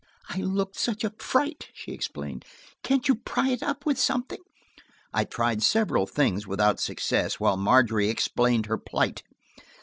"I looked such a fright," she explained. "Can't you pry it up with something?" I tried several things without success, while Margery explained her plight.